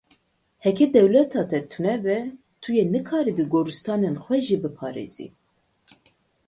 Heke dewleta te tune be, tu yê nikaribî goristanên xwe jî biparêzî.